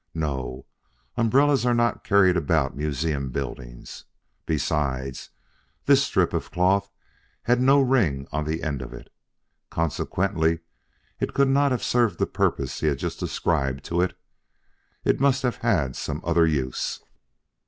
No. Umbrellas are not carried about museum buildings. Besides, this strip of cloth had no ring on the end of it. Consequently it could not have served the purpose he had just ascribed to it. It must have had some other use.